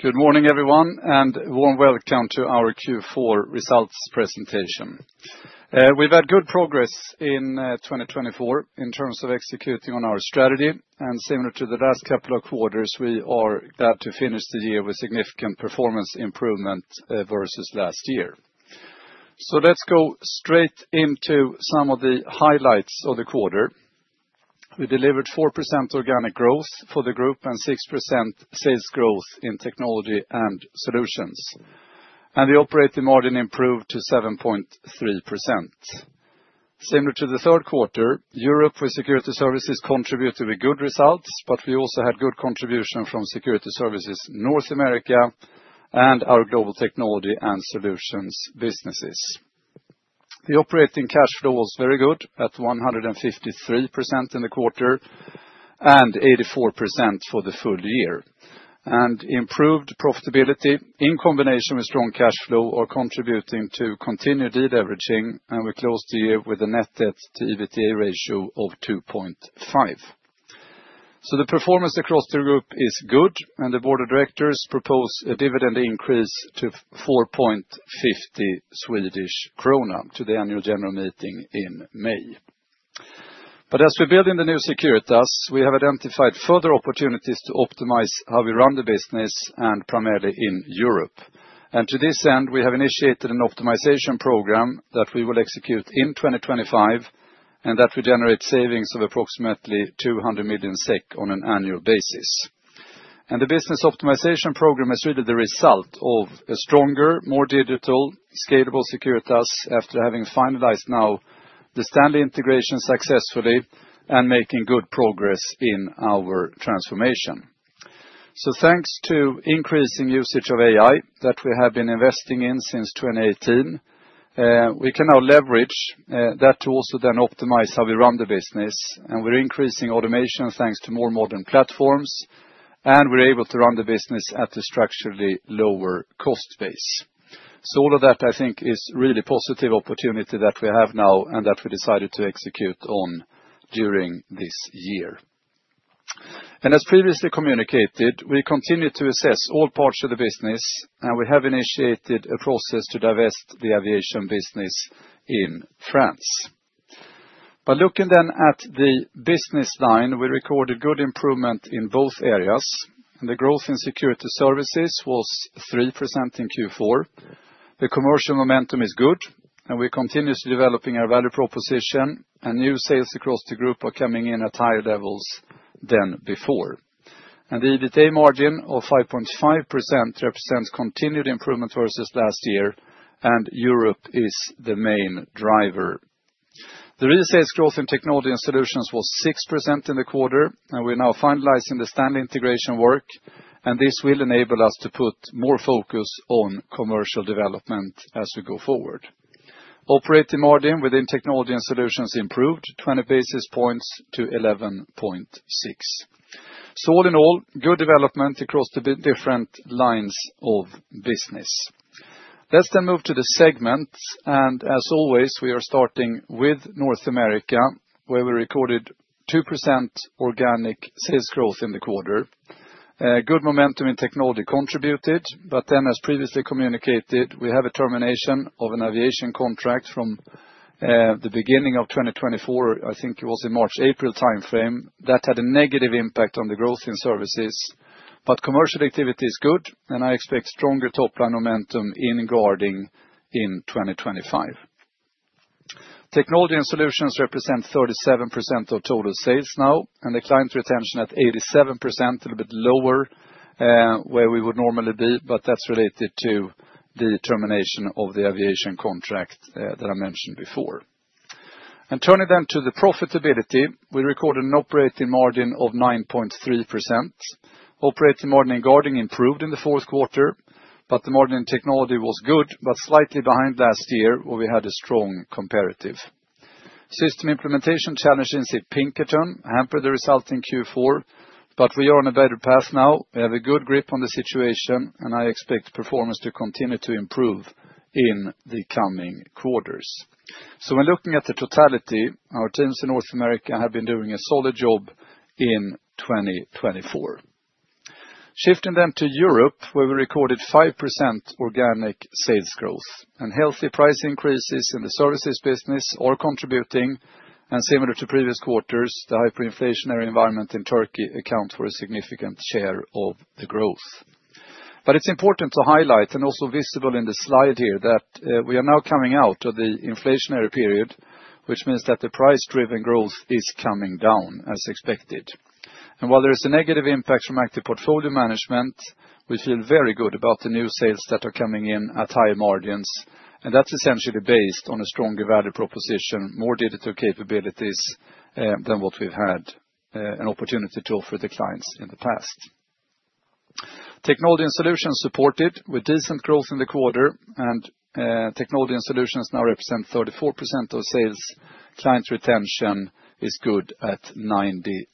Good morning, everyone, and a warm welcome to our Q4 results presentation. We've had good progress in 2024 in terms of executing on our strategy, and similar to the last couple of quarters, we are glad to finish the year with significant performance improvement versus last year. So let's go straight into some of the highlights of the quarter. We delivered 4% organic growth for the group and 6% sales growth in technology and solutions, and the operating margin improved to 7.3%. Similar to the third quarter, Europe with security services contributed with good results, but we also had good contribution from Security Services North America and our global technology and solutions businesses. The operating cash flow was very good at 153% in the quarter and 84% for the full year, and improved profitability in combination with strong cash flow are contributing to continued deleveraging, and we closed the year with a net debt to EBITDA ratio of 2.5, so the performance across the group is good, and the board of directors proposed a dividend increase to 4.50 Swedish krona to the Annual General Meeting in May. But as we build in the new Securitas, we have identified further opportunities to optimize how we run the business, and primarily in Europe, and to this end, we have initiated an optimization program that we will execute in 2025 and that will generate savings of approximately 200 million SEK on an annual basis. The business optimization program is really the result of a stronger, more digital, scalable Securitas after having finalized now the Stanley integration successfully and making good progress in our transformation. Thanks to increasing usage of AI that we have been investing in since 2018, we can now leverage that to also then optimize how we run the business, and we're increasing automation thanks to more modern platforms, and we're able to run the business at a structurally lower cost base. All of that, I think, is really a positive opportunity that we have now and that we decided to execute on during this year. As previously communicated, we continue to assess all parts of the business, and we have initiated a process to divest the aviation business in France. But looking then at the business line, we recorded good improvement in both areas, and the growth in security services was 3% in Q4. The commercial momentum is good, and we're continuously developing our value proposition, and new sales across the group are coming in at higher levels than before. And the EBITDA margin of 5.5% represents continued improvement versus last year, and Europe is the main driver. The real sales growth in technology and solutions was 6% in the quarter, and we're now finalizing the Stanley integration work, and this will enable us to put more focus on commercial development as we go forward. Operating margin within technology and solutions improved 20 basis points to 11.6. So all in all, good development across the different lines of business. Let's then move to the segments, and as always, we are starting with North America, where we recorded 2% organic sales growth in the quarter. Good momentum in technology contributed, but then, as previously communicated, we have a termination of an aviation contract from the beginning of 2024. I think it was a March-April timeframe that had a negative impact on the growth in services, but commercial activity is good, and I expect stronger top-line momentum in guarding in 2025. Technology and solutions represent 37% of total sales now, and the client retention at 87%, a little bit lower where we would normally be, but that's related to the termination of the aviation contract that I mentioned before. And turning then to the profitability, we recorded an operating margin of 9.3%. Operating margin in guarding improved in the fourth quarter, but the margin in technology was good, but slightly behind last year where we had a strong comparative. System implementation challenges in Pinkerton hampered the result in Q4, but we are on a better path now. We have a good grip on the situation, and I expect performance to continue to improve in the coming quarters. So when looking at the totality, our teams in North America have been doing a solid job in 2024. Shifting then to Europe, where we recorded 5% organic sales growth, and healthy price increases in the services business are contributing, and similar to previous quarters, the hyperinflationary environment in Turkey accounts for a significant share of the growth. But it's important to highlight, and also visible in the slide here, that we are now coming out of the inflationary period, which means that the price-driven growth is coming down as expected. And while there is a negative impact from active portfolio management, we feel very good about the new sales that are coming in at higher margins, and that's essentially based on a stronger value proposition, more digital capabilities than what we've had an opportunity to offer the clients in the past. Technology and solutions supported with decent growth in the quarter, and technology and solutions now represent 34% of sales. Client retention is good at 92%.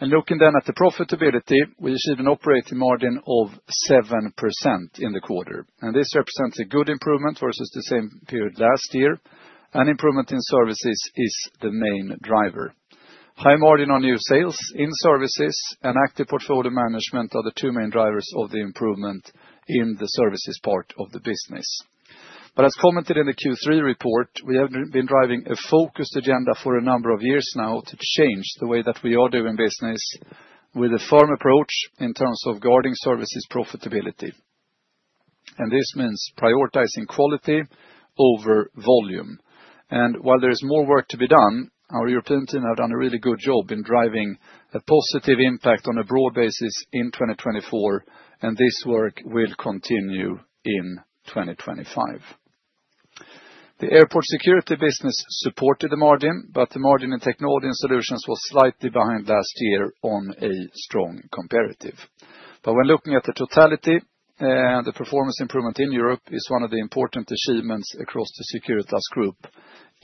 And looking then at the profitability, we achieved an operating margin of 7% in the quarter, and this represents a good improvement versus the same period last year, and improvement in services is the main driver. High margin on new sales in services and active portfolio management are the two main drivers of the improvement in the services part of the business. But as commented in the Q3 report, we have been driving a focused agenda for a number of years now to change the way that we are doing business with a firm approach in terms of guarding services profitability. And this means prioritizing quality over volume. And while there is more work to be done, our European team have done a really good job in driving a positive impact on a broad basis in 2024, and this work will continue in 2025. The airport security business supported the margin, but the margin in technology and solutions was slightly behind last year on a strong comparative. But when looking at the totality, the performance improvement in Europe is one of the important achievements across the Securitas Group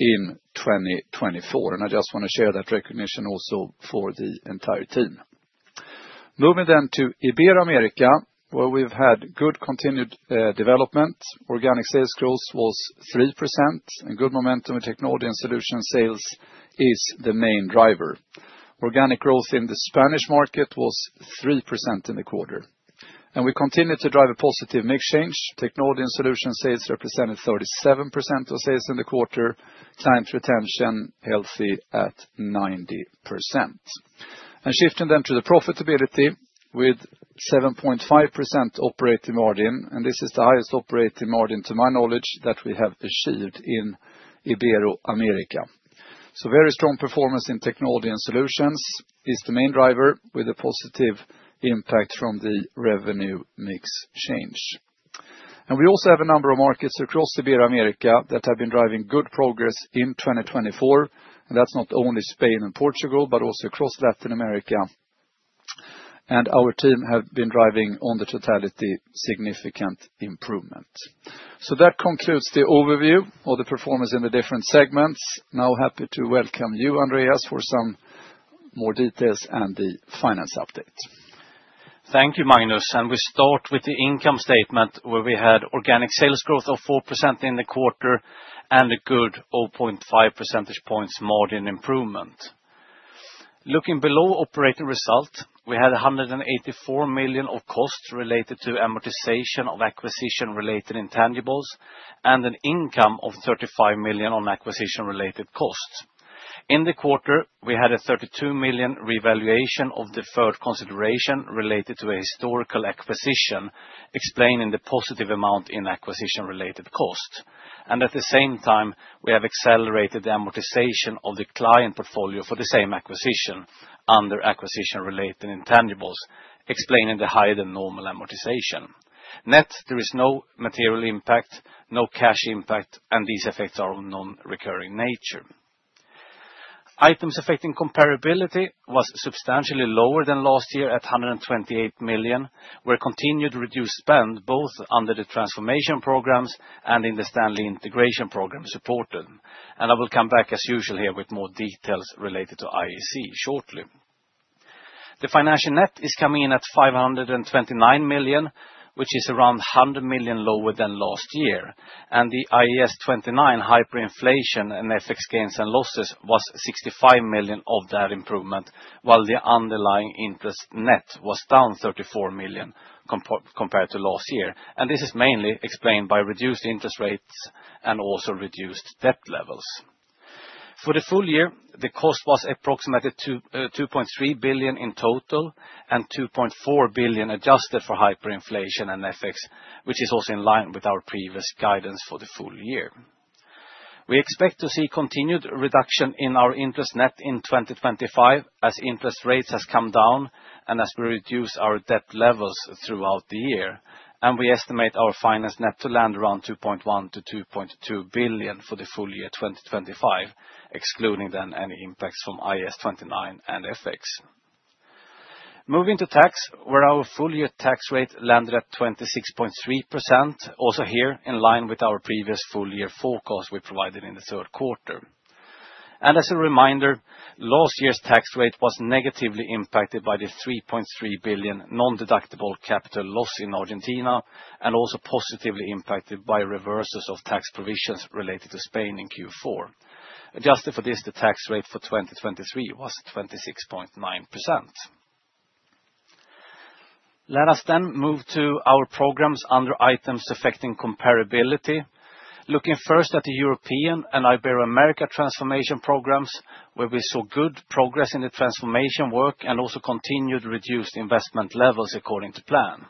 in 2024, and I just want to share that recognition also for the entire team. Moving then to Ibero-America, where we've had good continued development. Organic sales growth was 3%, and good momentum in technology and solution sales is the main driver. Organic growth in the Spanish market was 3% in the quarter, and we continue to drive a positive mix change. Technology and solution sales represented 37% of sales in the quarter, client retention healthy at 90%. And shifting then to the profitability with 7.5% operating margin, and this is the highest operating margin to my knowledge that we have achieved in Ibero-America. So very strong performance in technology and solutions is the main driver with a positive impact from the revenue mix change. And we also have a number of markets across Ibero-America that have been driving good progress in 2024, and that's not only Spain and Portugal, but also across Latin America, and our team have been driving on the totality significant improvement. So that concludes the overview of the performance in the different segments. Now happy to welcome you, Andreas, for some more details and the finance update. Thank you, Magnus, and we start with the income statement where we had organic sales growth of 4% in the quarter and a good 0.5 percentage points margin improvement. Looking below operating result, we had 184 million of costs related to amortization of acquisition-related intangibles and an income of 35 million on acquisition-related costs. In the quarter, we had a 32 million revaluation of the third consideration related to a historical acquisition, explaining the positive amount in acquisition-related cost. And at the same time, we have accelerated the amortization of the client portfolio for the same acquisition under acquisition-related intangibles, explaining the higher than normal amortization. Net, there is no material impact, no cash impact, and these effects are of non-recurring nature. Items affecting comparability was substantially lower than last year at 128 million, where continued reduced spend both under the transformation programs and in the Stanley integration program supported. I will come back as usual here with more details related to IAC shortly. The financial net is coming in at 529 million, which is around 100 million lower than last year, and the IAS 29 hyperinflation and FX gains and losses was 65 million of that improvement, while the underlying interest net was down 34 million compared to last year, and this is mainly explained by reduced interest rates and also reduced debt levels. For the full year, the cost was approximately 2.3 billion in total and 2.4 billion adjusted for hyperinflation and FX, which is also in line with our previous guidance for the full year. We expect to see continued reduction in our interest net in 2025 as interest rates have come down and as we reduce our debt levels throughout the year, and we estimate our finance net to land around 2.1 billion-2.2 billion for the full year 2025, excluding then any impacts from IAS 29 and FX. Moving to tax, where our full year tax rate landed at 26.3%, also here in line with our previous full year forecast we provided in the third quarter, and as a reminder, last year's tax rate was negatively impacted by the 3.3 billion non-deductible capital loss in Argentina and also positively impacted by reversals of tax provisions related to Spain in Q4. Adjusted for this, the tax rate for 2023 was 26.9%. Let us then move to our programs under items affecting comparability. Looking first at the European and Ibero-America transformation programs, where we saw good progress in the transformation work and also continued reduced investment levels according to plan.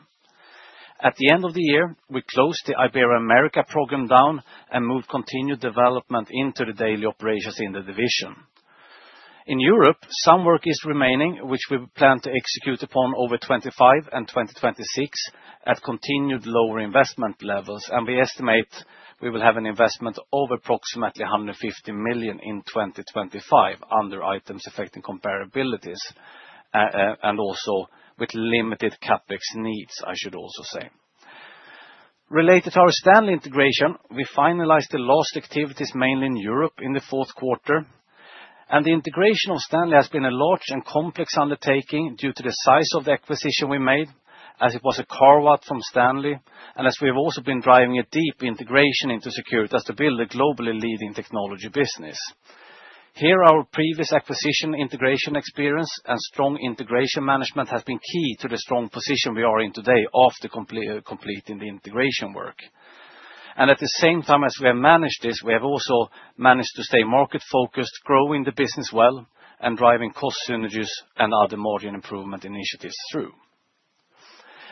At the end of the year, we closed the Ibero-America program down and moved continued development into the daily operations in the division. In Europe, some work is remaining, which we plan to execute upon over 2025 and 2026 at continued lower investment levels, and we estimate we will have an investment of approximately 150 million in 2025 under items affecting comparability and also with limited CapEx needs, I should also say. Related to our Stanley integration, we finalized the last activities mainly in Europe in the fourth quarter, and the integration of Stanley has been a large and complex undertaking due to the size of the acquisition we made, as it was a carve-out from Stanley, and as we have also been driving a deep integration into Securitas to build a globally leading technology business. Here, our previous acquisition integration experience and strong integration management has been key to the strong position we are in today after completing the integration work, and at the same time as we have managed this, we have also managed to stay market-focused, growing the business well and driving cost synergies and other margin improvement initiatives through.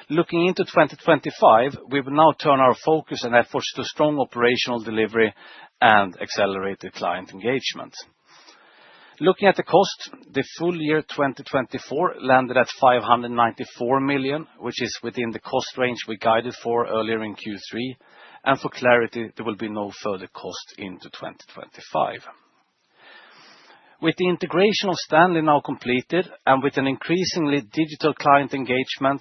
Looking into 2025, we will now turn our focus and efforts to strong operational delivery and accelerated client engagement. Looking at the cost, the full year 2024 landed at 594 million, which is within the cost range we guided for earlier in Q3, and for clarity, there will be no further cost into 2025. With the integration of Stanley now completed and with an increasingly digital client engagement,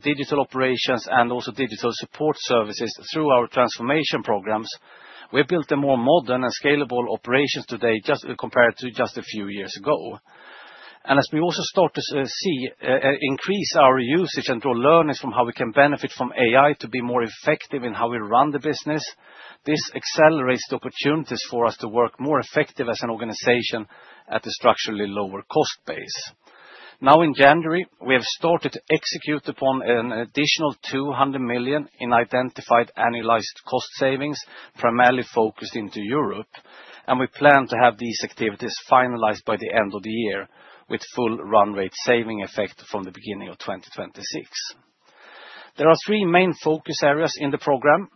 digital operations, and also digital support services through our transformation programs, we have built a more modern and scalable operations today compared to just a few years ago, and as we also start to see an increase in our usage and draw learnings from how we can benefit from AI to be more effective in how we run the business, this accelerates the opportunities for us to work more effectively as an organization at a structurally lower cost base. Now in January, we have started to execute upon an additional 200 million in identified annualized cost savings, primarily focused into Europe, and we plan to have these activities finalized by the end of the year with full run rate saving effect from the beginning of 2026. There are three main focus areas in the program.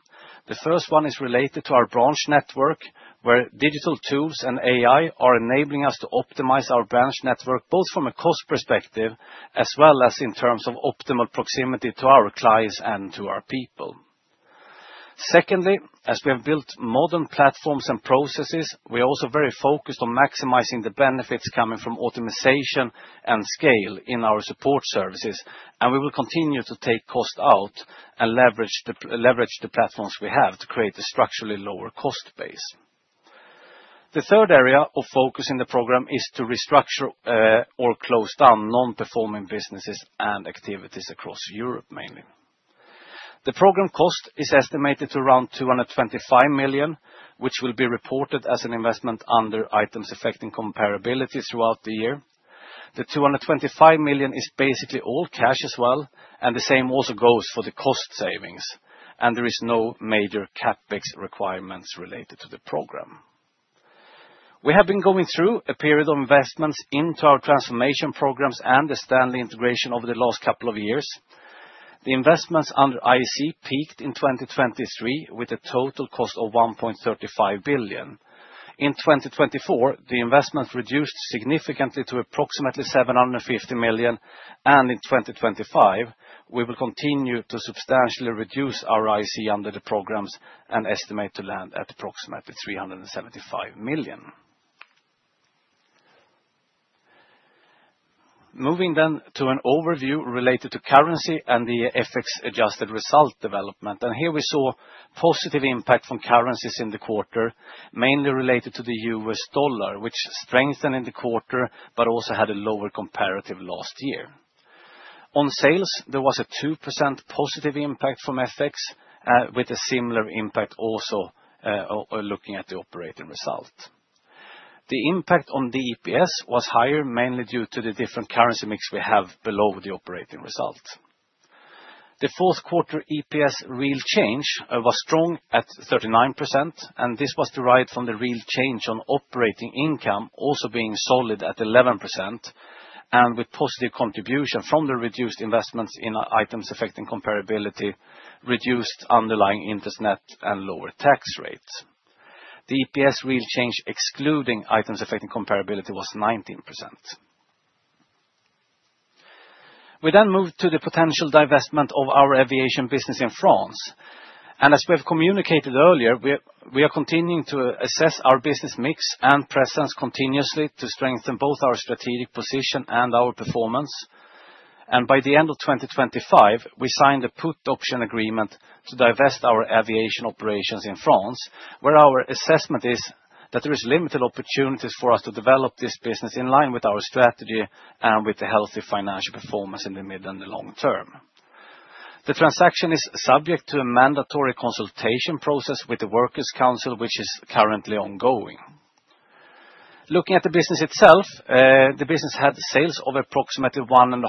The first one is related to our branch network, where digital tools and AI are enabling us to optimize our branch network both from a cost perspective as well as in terms of optimal proximity to our clients and to our people. Secondly, as we have built modern platforms and processes, we are also very focused on maximizing the benefits coming from optimization and scale in our support services, and we will continue to take cost out and leverage the platforms we have to create a structurally lower cost base. The third area of focus in the program is to restructure or close down non-performing businesses and activities across Europe mainly. The program cost is estimated to around 225 million, which will be reported as an investment under items affecting comparability throughout the year. The 225 million is basically all cash as well, and the same also goes for the cost savings, and there are no major CapEx requirements related to the program. We have been going through a period of investments into our transformation programs and the Stanley integration over the last couple of years. The investments under IAC peaked in 2023 with a total cost of 1.35 billion. In 2024, the investments reduced significantly to approximately 750 million, and in 2025, we will continue to substantially reduce our IAC under the programs and estimate to land at approximately 375 million. Moving then to an overview related to currency and the FX-adjusted result development, and here we saw positive impact from currencies in the quarter, mainly related to the U.S. dollar, which strengthened in the quarter but also had a lower comparative last year. On sales, there was a 2% positive impact from FX with a similar impact also looking at the operating result. The impact on the EPS was higher, mainly due to the different currency mix we have below the operating result. The fourth quarter EPS real change was strong at 39%, and this was derived from the real change on operating income also being solid at 11%, and with positive contribution from the reduced investments in items affecting comparability, reduced underlying interest net and lower tax rates. The EPS real change excluding items affecting comparability was 19%. We then moved to the potential divestment of our aviation business in France, and as we have communicated earlier, we are continuing to assess our business mix and presence continuously to strengthen both our strategic position and our performance. By the end of 2025, we signed a put option agreement to divest our aviation operations in France, where our assessment is that there are limited opportunities for us to develop this business in line with our strategy and with the healthy financial performance in the mid and the long term. The transaction is subject to a mandatory consultation process with the workers' council, which is currently ongoing. Looking at the business itself, the business had sales of approximately 1.5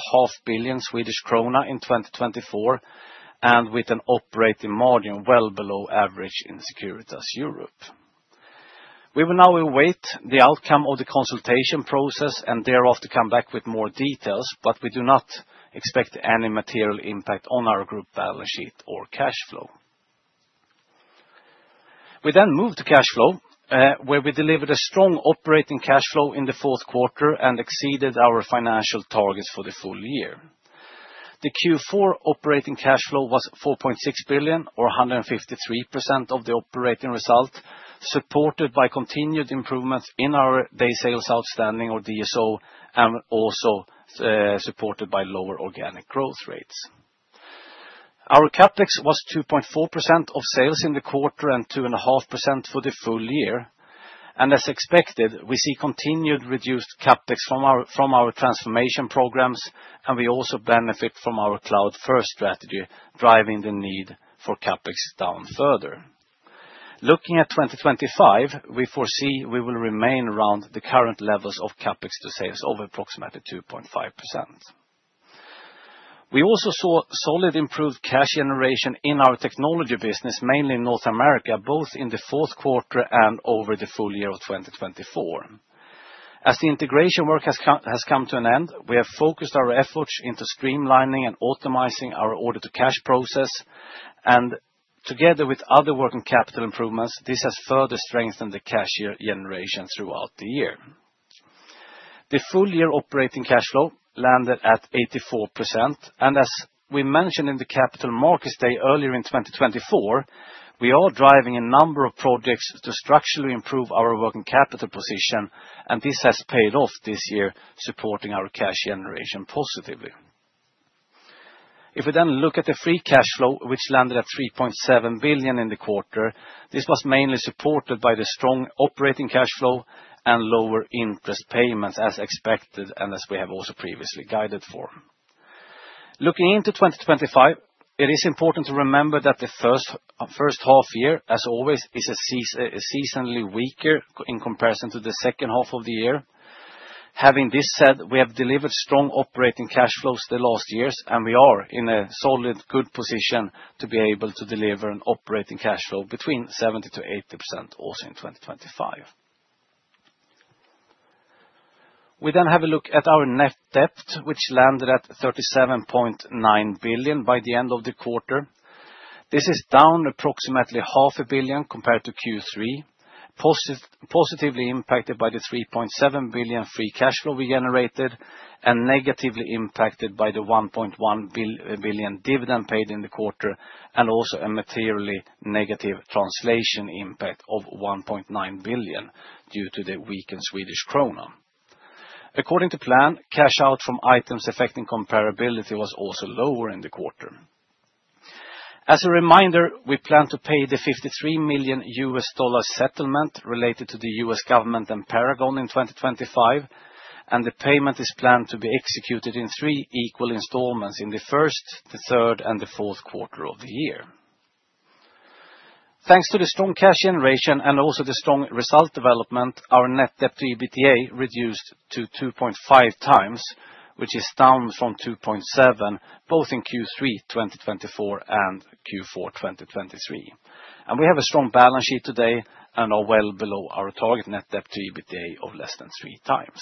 billion Swedish krona in 2024 and with an operating margin well below average in Securitas Europe. We will now await the outcome of the consultation process and thereafter come back with more details, but we do not expect any material impact on our group balance sheet or cash flow. We then moved to cash flow, where we delivered a strong operating cash flow in the fourth quarter and exceeded our financial targets for the full year. The Q4 operating cash flow was 4.6 billion, or 153% of the operating result, supported by continued improvements in our day sales outstanding, or DSO, and also supported by lower organic growth rates. Our CapEx was 2.4% of sales in the quarter and 2.5% for the full year, and as expected, we see continued reduced CapEx from our transformation programs, and we also benefit from our cloud-first strategy, driving the need for CapEx down further. Looking at 2025, we foresee we will remain around the current levels of CapEx to sales of approximately 2.5%. We also saw solid improved cash generation in our technology business, mainly in North America, both in the fourth quarter and over the full year of 2024. As the integration work has come to an end, we have focused our efforts into streamlining and optimizing our order-to-cash process, and together with other working capital improvements, this has further strengthened the cash generation throughout the year. The full year operating cash flow landed at 84%, and as we mentioned in the Capital Markets Day earlier in 2024, we are driving a number of projects to structurally improve our working capital position, and this has paid off this year, supporting our cash generation positively. If we then look at the free cash flow, which landed at 3.7 billion in the quarter, this was mainly supported by the strong operating cash flow and lower interest payments, as expected and as we have also previously guided for. Looking into 2025, it is important to remember that the first half year, as always, is seasonally weaker in comparison to the second half of the year. Having this said, we have delivered strong operating cash flows the last years, and we are in a solid good position to be able to deliver an operating cash flow between 70%-80% also in 2025. We then have a look at our net debt, which landed at 37.9 billion by the end of the quarter. This is down approximately 500 million compared to Q3, positively impacted by the 3.7 billion free cash flow we generated and negatively impacted by the 1.1 billion dividend paid in the quarter and also a materially negative translation impact of 1.9 billion due to the weakened Swedish krona. According to plan, cash out from items affecting comparability was also lower in the quarter. As a reminder, we plan to pay the $53 million settlement related to the U.S. government and Paragon in 2025, and the payment is planned to be executed in three equal installments in the first, the third, and the fourth quarter of the year. Thanks to the strong cash generation and also the strong result development, our net debt to EBITDA reduced to 2.5x, which is down from 2.7 both in Q3 2024 and Q4 2023. And we have a strong balance sheet today and are well below our target net debt to EBITDA of less than three times.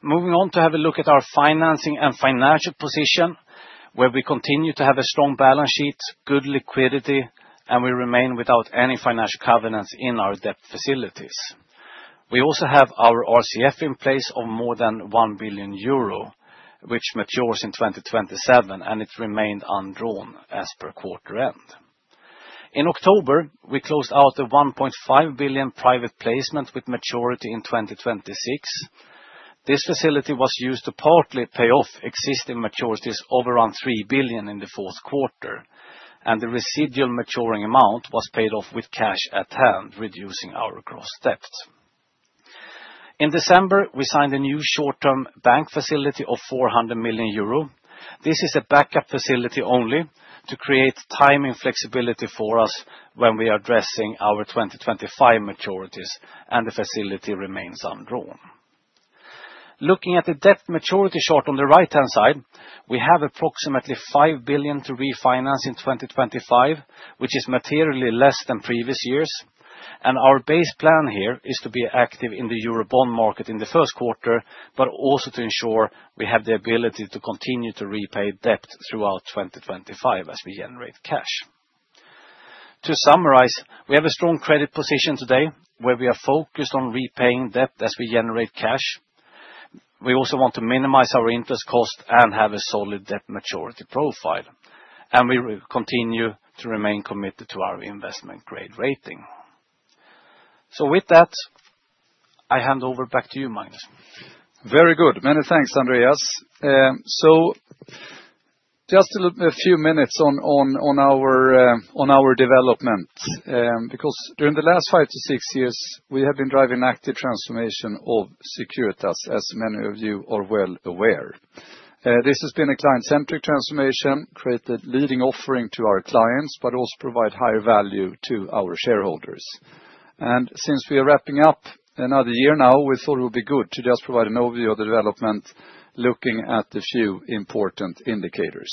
Moving on to have a look at our financing and financial position, where we continue to have a strong balance sheet, good liquidity, and we remain without any financial covenants in our debt facilities. We also have our RCF in place of more than 1 billion euro, which matures in 2027, and it remained undrawn as per quarter end. In October, we closed out a 1.5 billion private placement with maturity in 2026. This facility was used to partly pay off existing maturities of around 3 billion in the fourth quarter, and the residual maturing amount was paid off with cash at hand, reducing our gross debt. In December, we signed a new short-term bank facility of 400 million euro. This is a backup facility only to create time and flexibility for us when we are addressing our 2025 maturities, and the facility remains undrawn. Looking at the debt maturity chart on the right-hand side, we have approximately 5 billion to refinance in 2025, which is materially less than previous years, and our base plan here is to be active in the Eurobond market in the first quarter, but also to ensure we have the ability to continue to repay debt throughout 2025 as we generate cash. To summarize, we have a strong credit position today, where we are focused on repaying debt as we generate cash. We also want to minimize our interest cost and have a solid debt maturity profile, and we continue to remain committed to our investment grade rating. So with that, I hand over back to you, Magnus. Very good. Many thanks, Andreas. Just a few minutes on our development, because during the last five to six years, we have been driving active transformation of Securitas, as many of you are well aware. This has been a client-centric transformation, created leading offering to our clients, but also provides higher value to our shareholders. Since we are wrapping up another year now, we thought it would be good to just provide an overview of the development, looking at a few important indicators.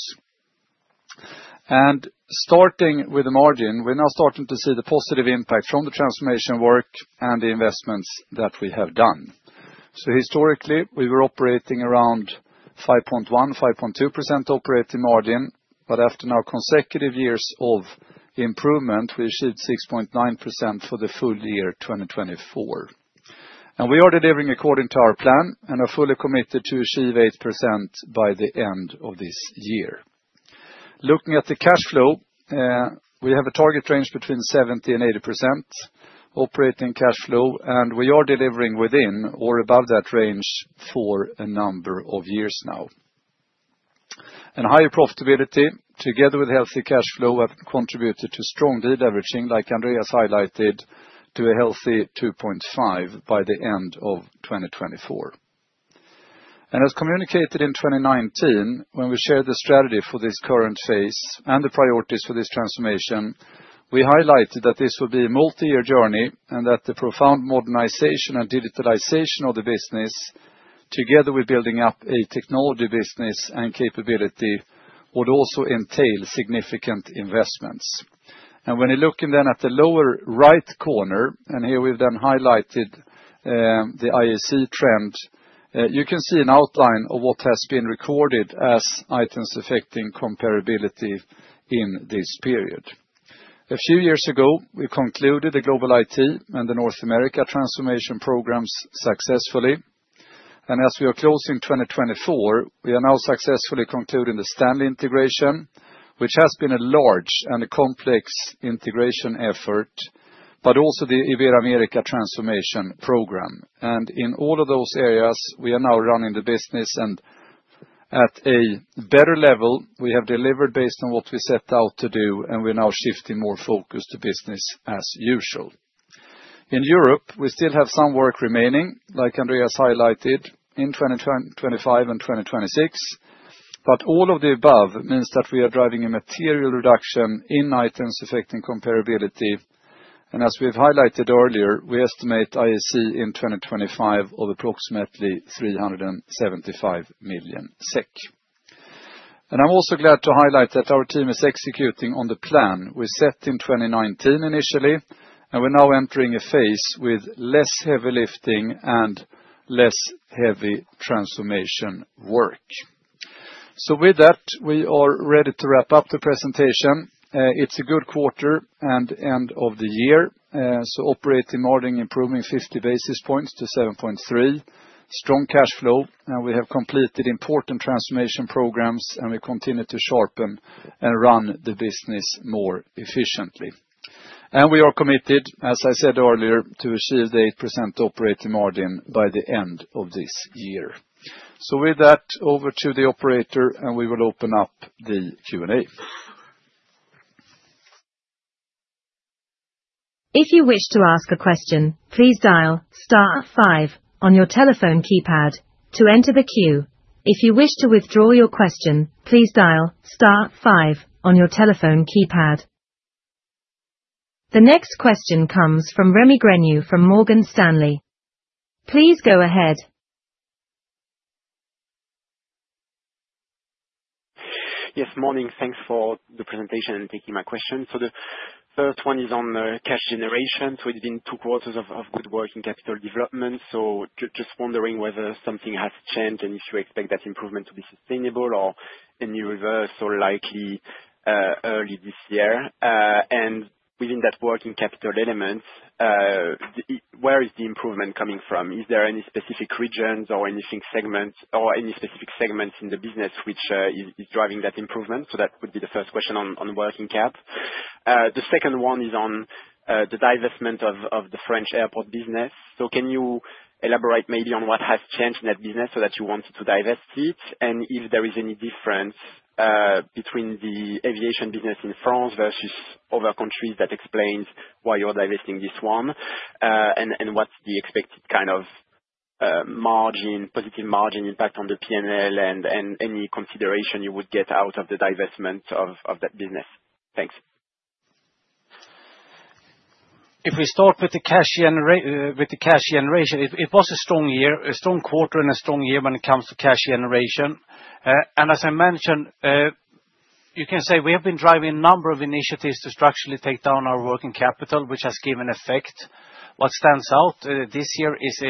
Starting with the margin, we're now starting to see the positive impact from the transformation work and the investments that we have done. Historically, we were operating around 5.1%, 5.2% operating margin, but after four consecutive years of improvement, we achieved 6.9% for the full year 2024. We are delivering according to our plan and are fully committed to achieve 8% by the end of this year. Looking at the cash flow, we have a target range between 70% and 80% operating cash flow, and we are delivering within or above that range for a number of years now. And higher profitability, together with healthy cash flow, have contributed to strong de-leveraging, like Andreas highlighted, to a healthy 2.5 by the end of 2024. And as communicated in 2019, when we shared the strategy for this current phase and the priorities for this transformation, we highlighted that this will be a multi-year journey and that the profound modernization and digitalization of the business, together with building up a technology business and capability, would also entail significant investments. And when you're looking then at the lower right corner, and here we've then highlighted the IAC trend, you can see an outline of what has been recorded as items affecting comparability in this period. A few years ago, we concluded the global IT and the North America transformation programs successfully, and as we are closing 2024, we are now successfully concluding the Stanley integration, which has been a large and a complex integration effort, but also the Ibero-America transformation program, and in all of those areas, we are now running the business, and at a better level, we have delivered based on what we set out to do, and we're now shifting more focus to business as usual. In Europe, we still have some work remaining, like Andreas highlighted, in 2025 and 2026, but all of the above means that we are driving a material reduction in items affecting comparability, and as we've highlighted earlier, we estimate IAC in 2025 of approximately 375 million SEK. I'm also glad to highlight that our team is executing on the plan we set in 2019 initially, and we're now entering a phase with less heavy lifting and less heavy transformation work. So with that, we are ready to wrap up the presentation. It's a good quarter and end of the year, so operating margin improving 50 basis points to 7.3, strong cash flow, and we have completed important transformation programs, and we continue to sharpen and run the business more efficiently. And we are committed, as I said earlier, to achieve the 8% operating margin by the end of this year. So with that, over to the operator, and we will open up the Q&A. If you wish to ask a question, please dial star five on your telephone keypad to enter the queue. If you wish to withdraw your question, please dial star five on your telephone keypad. The next question comes from Rémi Grenu from Morgan Stanley. Please go ahead. Yes, morning. Thanks for the presentation and taking my question. So the first one is on cash generation. So it's been two quarters of good working capital development, so just wondering whether something has changed and if you expect that improvement to be sustainable or in reverse or likely early this year. And within that working capital element, where is the improvement coming from? Is there any specific regions or anything segment or any specific segments in the business which is driving that improvement? So that would be the first question on working cap. The second one is on the divestment of the French airport business. Can you elaborate maybe on what has changed in that business so that you wanted to divest it? And if there is any difference between the aviation business in France versus other countries, that explains why you're divesting this one and what's the expected kind of positive margin impact on the P&L and any consideration you would get out of the divestment of that business? Thanks. If we start with the cash generation, it was a strong year, a strong quarter, and a strong year when it comes to cash generation. And as I mentioned, you can say we have been driving a number of initiatives to structurally take down our working capital, which has given effect. What stands out this year is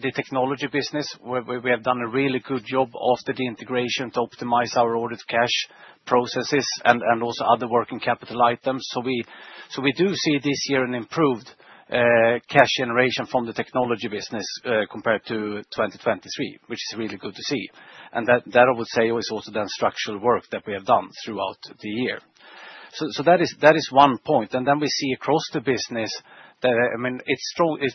the technology business. We have done a really good job after the integration to optimize our order-to-cash processes and also other working capital items. We do see this year an improved cash generation from the technology business compared to 2023, which is really good to see. That I would say is also then structural work that we have done throughout the year. That is one point. We see across the business that, I mean, it's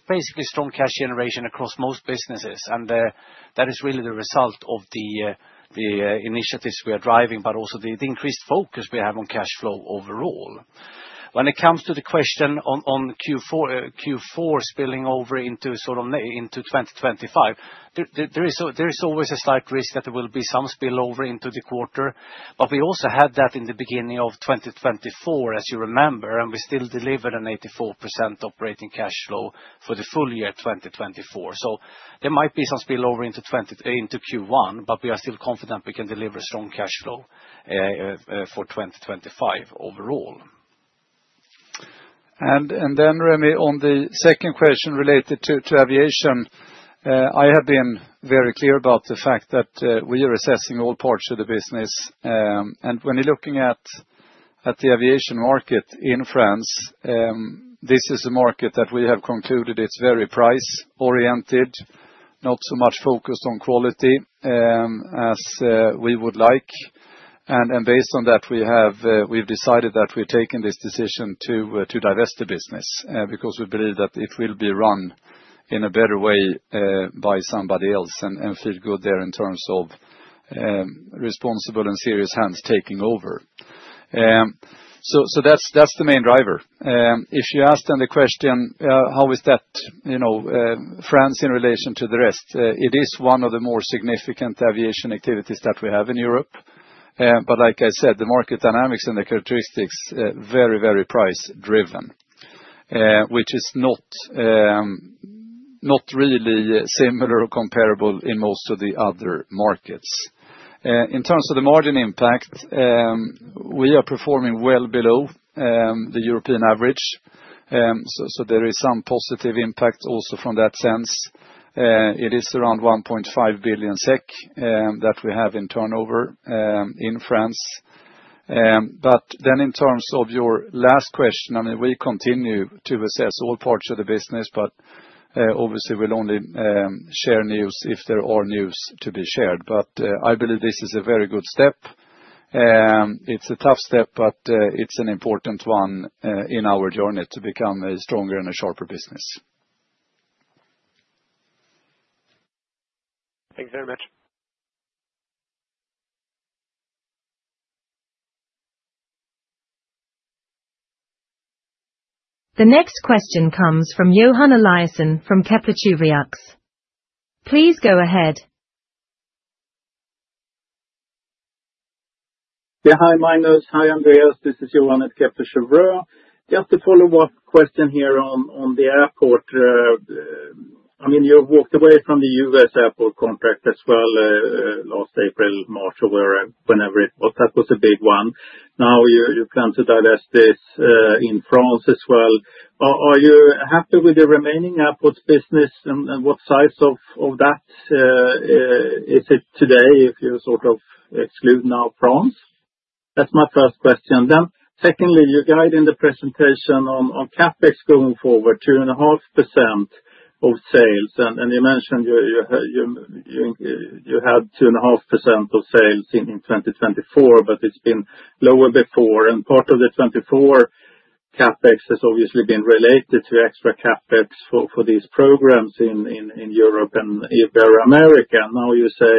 basically strong cash generation across most businesses, and that is really the result of the initiatives we are driving, but also the increased focus we have on cash flow overall. When it comes to the question on Q4 spilling over into sort of into 2025, there is always a slight risk that there will be some spillover into the quarter, but we also had that in the beginning of 2024, as you remember, and we still delivered an 84% operating cash flow for the full year 2024. So there might be some spillover into Q1, but we are still confident we can deliver strong cash flow for 2025 overall. And then, Rémi, on the second question related to aviation, I have been very clear about the fact that we are assessing all parts of the business. And when you're looking at the aviation market in France, this is a market that we have concluded it's very price-oriented, not so much focused on quality as we would like. And based on that, we've decided that we're taking this decision to divest the business because we believe that it will be run in a better way by somebody else and feel good there in terms of responsible and serious hands taking over. So that's the main driver. If you ask then the question, how is that France in relation to the rest? It is one of the more significant aviation activities that we have in Europe, but like I said, the market dynamics and the characteristics are very, very price-driven, which is not really similar or comparable in most of the other markets. In terms of the margin impact, we are performing well below the European average, so there is some positive impact also from that sense. It is around 1.5 billion SEK that we have in turnover in France. But then in terms of your last question, I mean, we continue to assess all parts of the business, but obviously we'll only share news if there are news to be shared. But I believe this is a very good step. It's a tough step, but it's an important one in our journey to become a stronger and a sharper business. Thanks very much. The next question comes from Johan Eliason from Kepler Cheuvreux. Please go ahead. Yeah, hi, Magnus. Hi, Andreas. This is Johan at Kepler Cheuvreux. Just to follow up question here on the airport. I mean, you walked away from the US airport contract as well last April, March, or whenever it was. That was a big one. Now you plan to divest this in France as well. Are you happy with the remaining airport business, and what size of that is it today if you sort of exclude now France? That's my first question. Then secondly, you guide in the presentation on CapEx going forward, 2.5% of sales, and you mentioned you had 2.5% of sales in 2024, but it's been lower before, and part of the 24 CapEx has obviously been related to extra CapEx for these programs in Europe and Ibero-America. Now you say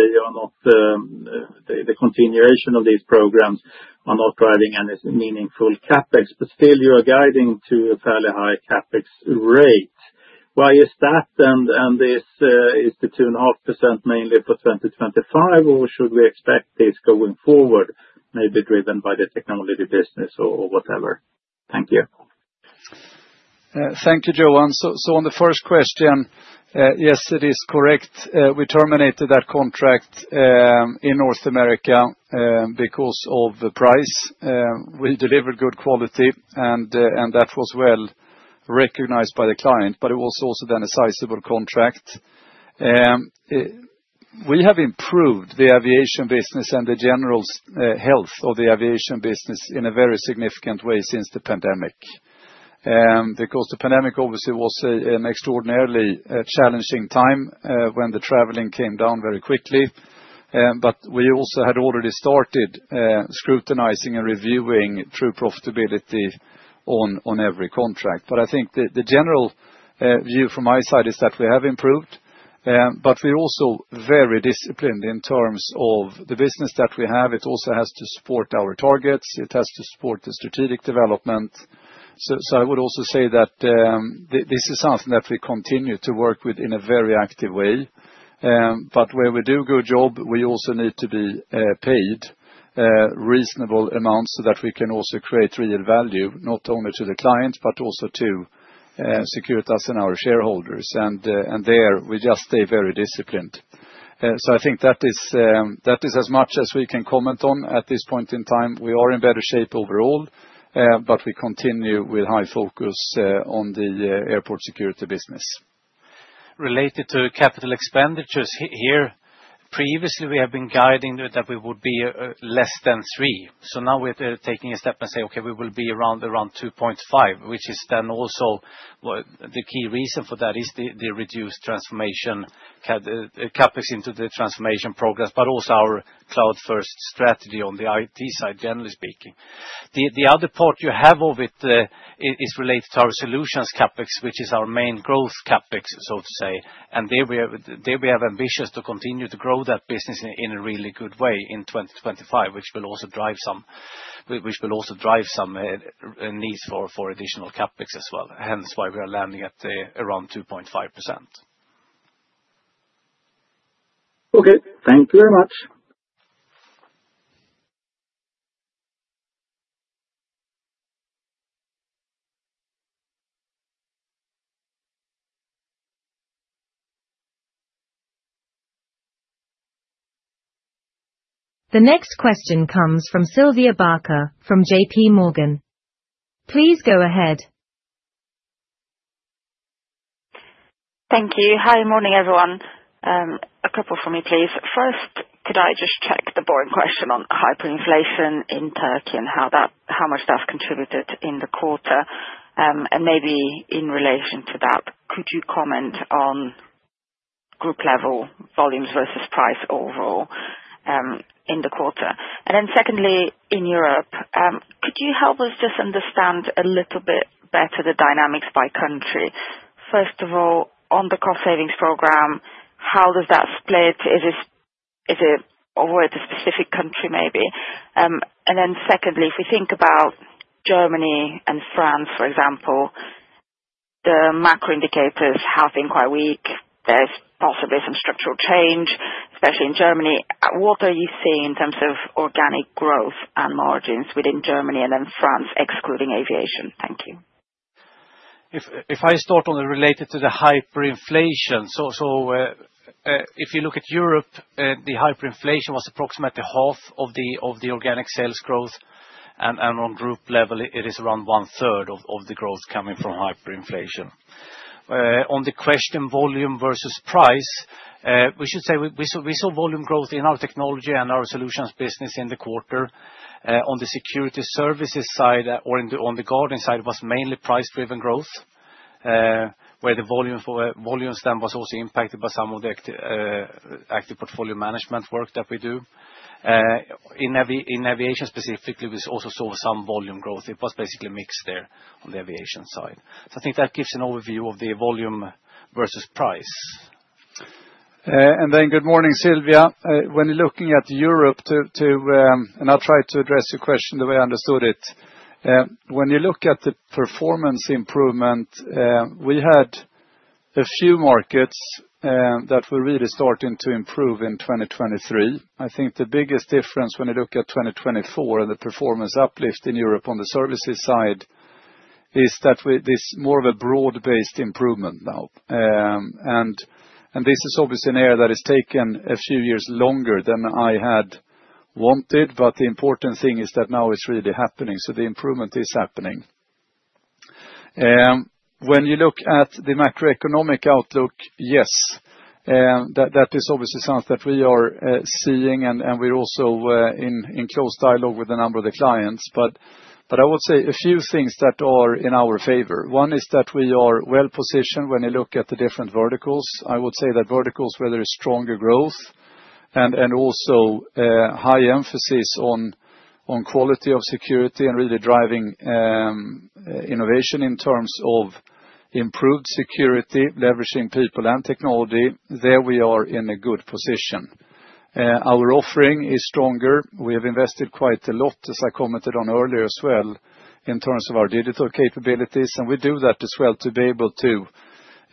the continuation of these programs are not driving any meaningful CapEx, but still you are guiding to a fairly high CapEx rate. Why is that, and is the 2.5% mainly for 2025, or should we expect this going forward maybe driven by the technology business or whatever? Thank you. Thank you, Johan. So on the first question, yes, it is correct. We terminated that contract in North America because of price. We delivered good quality, and that was well recognized by the client, but it was also then a sizable contract. We have improved the aviation business and the general health of the aviation business in a very significant way since the pandemic. Because the pandemic obviously was an extraordinarily challenging time when the traveling came down very quickly, but we also had already started scrutinizing and reviewing true profitability on every contract. But I think the general view from my side is that we have improved, but we're also very disciplined in terms of the business that we have. It also has to support our targets. It has to support the strategic development. So I would also say that this is something that we continue to work with in a very active way. But where we do a good job, we also need to be paid reasonable amounts so that we can also create real value, not only to the client, but also to Securitas' shareholders. And there we just stay very disciplined. So I think that is as much as we can comment on at this point in time. We are in better shape overall, but we continue with high focus on the airport security business. Related to capital expenditures here, previously we have been guiding that we would be less than three. So now we're taking a step and say, okay, we will be around 2.5, which is then also the key reason for that is the reduced transformation CapEx into the transformation program, but also our cloud-first strategy on the IT side, generally speaking. The other part you have of it is related to our solutions CapEx, which is our main growth CapEx, so to say. And there we are ambitious to continue to grow that business in a really good way in 2025, which will also drive some needs for additional CapEx as well. Hence why we are landing at around 2.5%. Okay, thank you very much. The next question comes from Sylvia Barker from J.P. Morgan. Please go ahead. Thank you. Hi, morning everyone. A couple for me, please. First, could I just check the boring question on hyperinflation in Turkey and how much that's contributed in the quarter? And maybe in relation to that, could you comment on group level volumes versus price overall in the quarter? And then secondly, in Europe, could you help us just understand a little bit better the dynamics by country? First of all, on the cost savings program, how does that split? Is it over at a specific country maybe? And then secondly, if we think about Germany and France, for example, the macro indicators have been quite weak. There's possibly some structural change, especially in Germany. What are you seeing in terms of organic growth and margins within Germany and then France, excluding aviation? Thank you. If I start on the related to the hyperinflation, so if you look at Europe, the hyperinflation was approximately half of the organic sales growth, and on group level, it is around one-third of the growth coming from hyperinflation. On the question volume versus price, we should say we saw volume growth in our technology and our solutions business in the quarter. On the security services side or on the guarding side, it was mainly price-driven growth, where the volume then was also impacted by some of the active portfolio management work that we do. In aviation specifically, we also saw some volume growth. It was basically mixed there on the aviation side. So I think that gives an overview of the volume versus price. And then good morning, Sylvia. When you're looking at Europe, too, and I'll try to address your question the way I understood it, when you look at the performance improvement, we had a few markets that were really starting to improve in 2023. I think the biggest difference when you look at 2024 and the performance uplift in Europe on the services side is that this is more of a broad-based improvement now. And this is obviously an area that has taken a few years longer than I had wanted, but the important thing is that now it's really happening. So the improvement is happening. When you look at the macroeconomic outlook, yes, that is obviously something that we are seeing, and we're also in close dialogue with a number of the clients. But I would say a few things that are in our favor. One is that we are well positioned when you look at the different verticals. I would say that verticals where there is stronger growth and also high emphasis on quality of security and really driving innovation in terms of improved security, leveraging people and technology, there we are in a good position. Our offering is stronger. We have invested quite a lot, as I commented on earlier as well, in terms of our digital capabilities, and we do that as well to be able to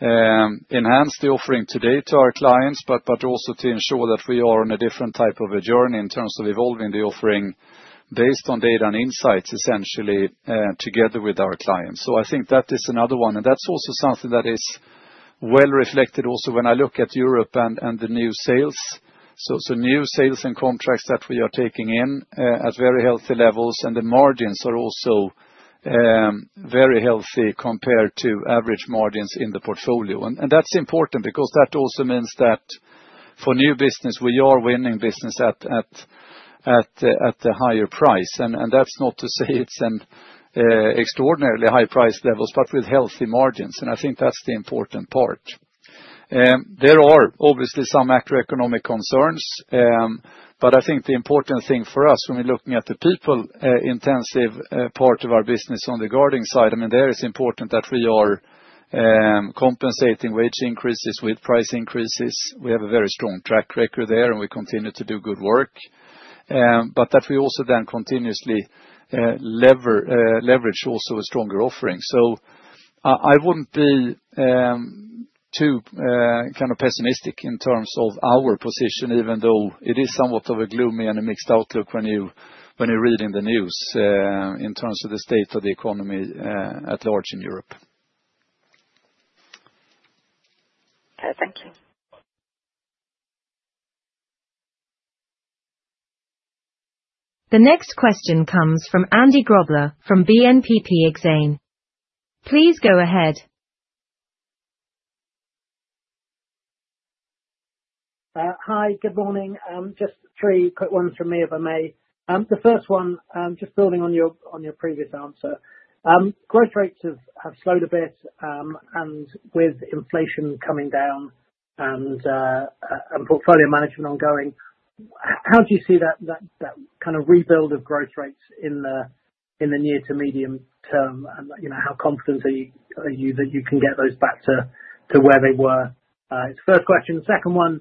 enhance the offering today to our clients, but also to ensure that we are on a different type of a journey in terms of evolving the offering based on data and insights, essentially together with our clients, so I think that is another one, and that's also something that is well reflected also when I look at Europe and the new sales. New sales and contracts that we are taking in are at very healthy levels, and the margins are also very healthy compared to average margins in the portfolio. That's important because that also means that for new business, we are winning business at a higher price. That's not to say it's an extraordinarily high price level, but with healthy margins. I think that's the important part. There are obviously some macroeconomic concerns, but I think the important thing for us when we're looking at the people-intensive part of our business on the guarding side. I mean, there is important that we are compensating wage increases with price increases. We have a very strong track record there, and we continue to do good work. But that we also then continuously leverage also a stronger offering. I wouldn't be too kind of pessimistic in terms of our position, even though it is somewhat of a gloomy and a mixed outlook when you read in the news in terms of the state of the economy at large in Europe. Okay, thank you. The next question comes from Andy Grobler from BNP Paribas Exane. Please go ahead. Hi, good morning. Just three quick ones from me if I may. The first one, just building on your previous answer. Growth rates have slowed a bit, and with inflation coming down and portfolio management ongoing, how do you see that kind of rebuild of growth rates in the near to medium term? And how confident are you that you can get those back to where they were? It's the first question. The second one,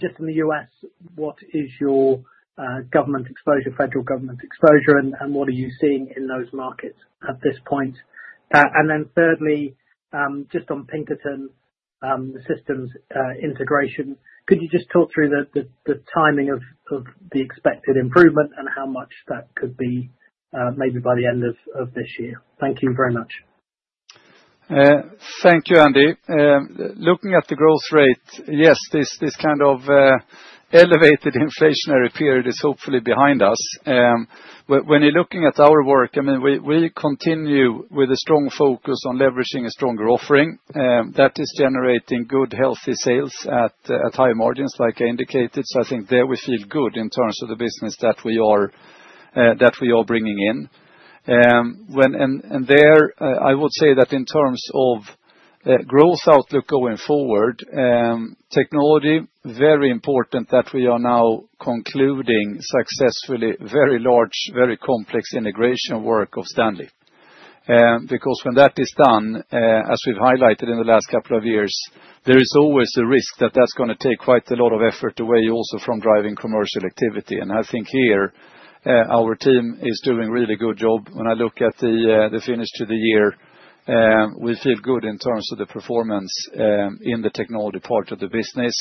just in the U.S., what is your government exposure, federal government exposure, and what are you seeing in those markets at this point? And then thirdly, just on Pinkerton, the systems integration, could you just talk through the timing of the expected improvement and how much that could be maybe by the end of this year? Thank you very much. Thank you, Andy. Looking at the growth rate, yes, this kind of elevated inflationary period is hopefully behind us. When you're looking at our work, I mean, we continue with a strong focus on leveraging a stronger offering that is generating good, healthy sales at high margins, like I indicated. So I think there we feel good in terms of the business that we are bringing in. And there I would say that in terms of growth outlook going forward, technology, very important that we are now concluding successfully very large, very complex integration work of Stanley. Because when that is done, as we've highlighted in the last couple of years, there is always a risk that that's going to take quite a lot of effort away also from driving commercial activity. And I think here our team is doing a really good job. When I look at the finish to the year, we feel good in terms of the performance in the technology part of the business.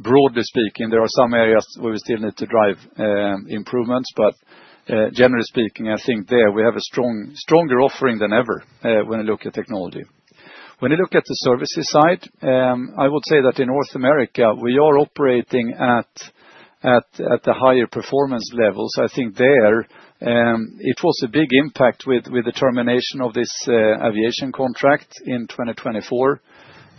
Broadly speaking, there are some areas where we still need to drive improvements, but generally speaking, I think there we have a stronger offering than ever when you look at technology. When you look at the services side, I would say that in North America, we are operating at a higher performance level. So I think there it was a big impact with the termination of this aviation contract in 2024,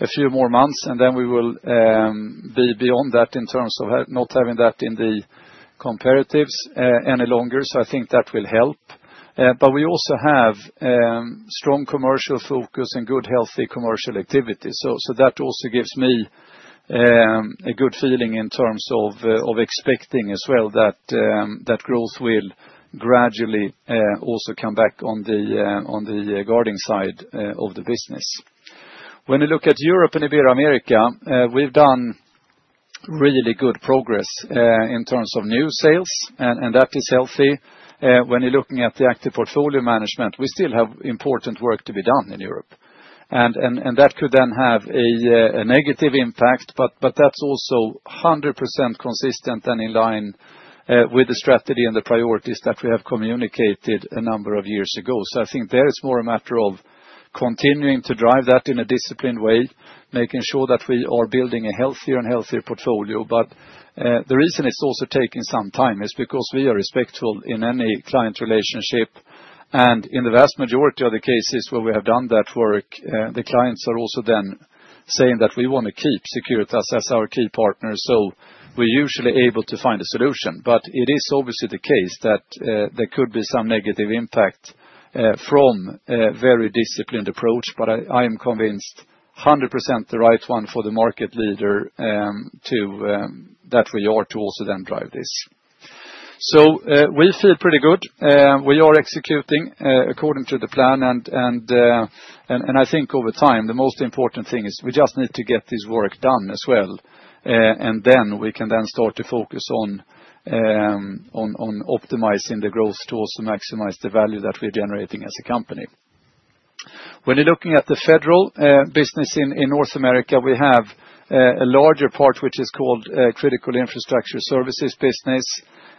a few more months, and then we will be beyond that in terms of not having that in the comparatives any longer. So I think that will help. But we also have strong commercial focus and good, healthy commercial activity. So that also gives me a good feeling in terms of expecting as well that growth will gradually also come back on the guarding side of the business. When you look at Europe and Ibero-America, we've done really good progress in terms of new sales, and that is healthy. When you're looking at the active portfolio management, we still have important work to be done in Europe. And that could then have a negative impact, but that's also 100% consistent and in line with the strategy and the priorities that we have communicated a number of years ago. So I think there is more a matter of continuing to drive that in a disciplined way, making sure that we are building a healthier and healthier portfolio. But the reason it's also taking some time is because we are respectful in any client relationship. And in the vast majority of the cases where we have done that work, the clients are also then saying that we want to keep Securitas as our key partner. So we're usually able to find a solution. But it is obviously the case that there could be some negative impact from a very disciplined approach, but I am convinced 100% the right one for the market leader that we are to also then drive this. So we feel pretty good. We are executing according to the plan. And I think over time, the most important thing is we just need to get this work done as well. And then we can then start to focus on optimizing the growth to also maximize the value that we're generating as a company. When you're looking at the federal business in North America, we have a larger part which is called Critical Infrastructure Services business.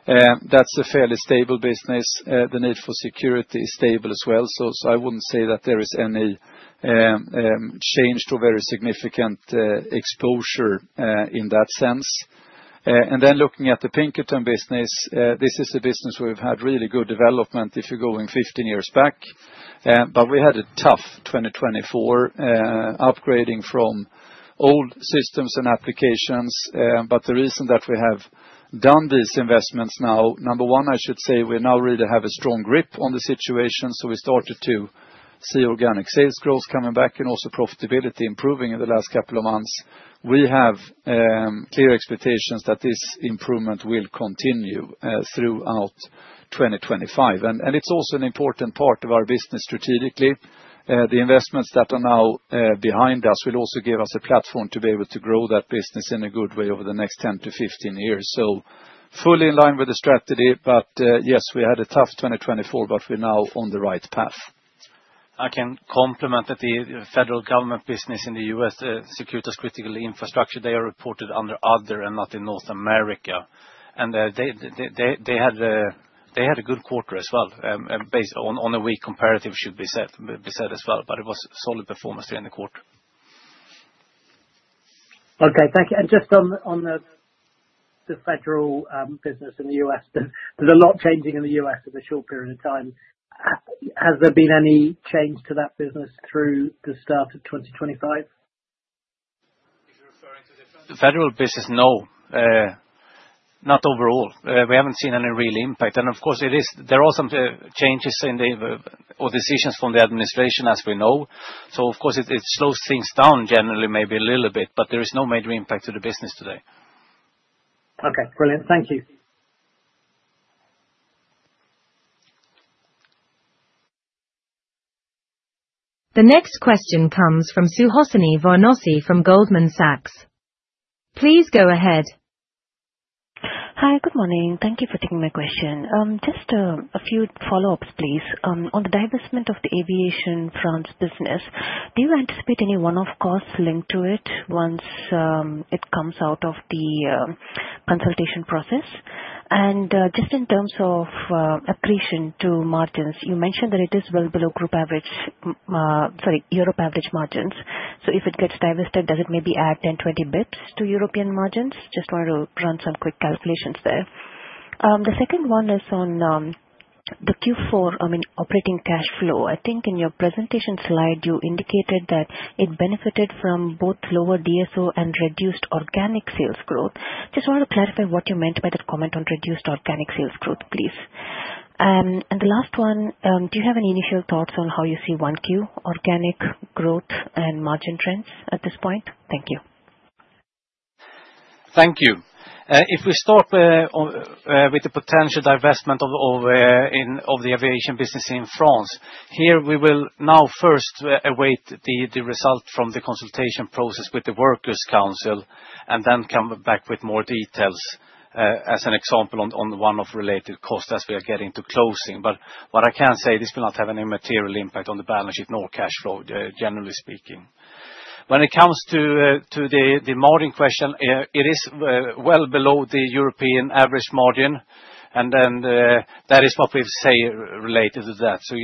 That's a fairly stable business. The need for security is stable as well. So I wouldn't say that there is any change to very significant exposure in that sense. Then looking at the Pinkerton business, this is a business where we've had really good development if you're going 15 years back. But we had a tough 2024 upgrading from old systems and applications. But the reason that we have done these investments now, number one, I should say we now really have a strong grip on the situation. So we started to see organic sales growth coming back and also profitability improving in the last couple of months. We have clear expectations that this improvement will continue throughout 2025. And it's also an important part of our business strategically. The investments that are now behind us will also give us a platform to be able to grow that business in a good way over the next 10-15 years. So fully in line with the strategy, but yes, we had a tough 2024, but we're now on the right path. I can complement the federal government business in the U.S., Securitas Critical Infrastructure. They are reported under other and not in North America. And they had a good quarter as well, based on a weak comparative, should be said as well. But it was solid performance during the quarter. Okay, thank you. And just on the federal business in the U.S., there's a lot changing in the U.S. in a short period of time. Has there been any change to that business through the start of 2025? The federal business, no. Not overall. We haven't seen any real impact. And of course, there are some changes or decisions from the administration as we know. So of course, it slows things down generally maybe a little bit, but there is no major impact to the business today. Okay, brilliant. Thank you. The next question comes from Suhasini Varanasi from Goldman Sachs. Please go ahead. Hi, good morning. Thank you for taking my question. Just a few follow-ups, please. On the divestment of the aviation France business, do you anticipate any one-off costs linked to it once it comes out of the consultation process? And just in terms of accretion to margins, you mentioned that it is well below group average, sorry, Europe average margins. So if it gets divested, does it maybe add 10-20 basis points to European margins? Just wanted to run some quick calculations there. The second one is on the Q4, I mean, operating cash flow. I think in your presentation slide, you indicated that it benefited from both lower DSO and reduced organic sales growth. Just wanted to clarify what you meant by the comment on reduced organic sales growth, please. And the last one, do you have any initial thoughts on how you see 1Q organic growth and margin trends at this point? Thank you. Thank you. If we start with the potential divestment of the aviation business in France, here we will now first await the result from the consultation process with the workers' council and then come back with more details as an example on one-off related costs as we are getting to closing. What I can say is this will not have any material impact on the balance sheet nor cash flow, generally speaking. When it comes to the margin question, it is well below the European average margin, and then that is what we say related to that. So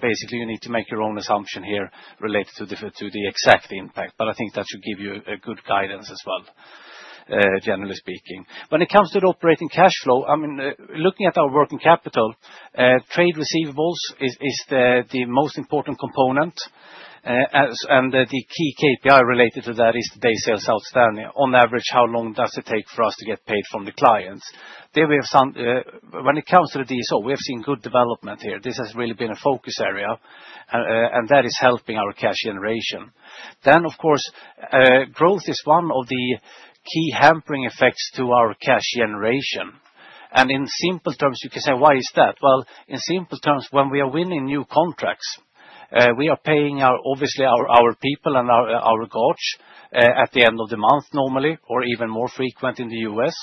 basically, you need to make your own assumption here related to the exact impact. But I think that should give you good guidance as well, generally speaking. When it comes to the operating cash flow, I mean, looking at our working capital, trade receivables is the most important component, and the key KPI related to that is days sales outstanding. On average, how long does it take for us to get paid from the clients? When it comes to the DSO, we have seen good development here. This has really been a focus area, and that is helping our cash generation. Then, of course, growth is one of the key hampering effects to our cash generation. In simple terms, you can say, why is that? Well, in simple terms, when we are winning new contracts, we are paying obviously our people and our guards at the end of the month normally, or even more frequent in the U.S.,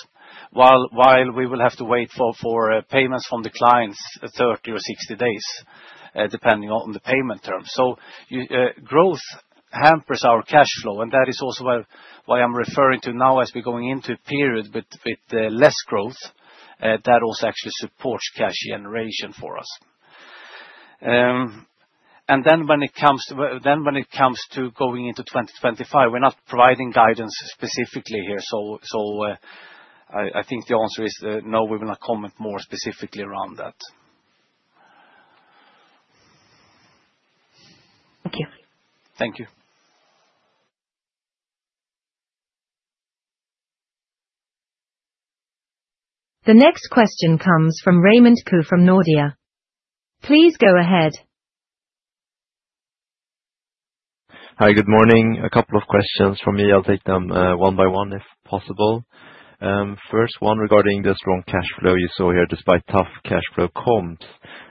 while we will have to wait for payments from the clients 30 or 60 days depending on the payment term. So growth hampers our cash flow, and that is also why I'm referring to now as we're going into a period with less growth that also actually supports cash generation for us. And then when it comes to going into 2025, we're not providing guidance specifically here. So I think the answer is no, we will not comment more specifically around that. Thank you. Thank you. The next question comes from Raymond Ke from Nordea. Please go ahead. Hi, good morning. A couple of questions for me. I'll take them one by one if possible. First one regarding the strong cash flow you saw here despite tough cash flow comps.